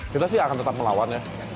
kita sih akan tetap melawan ya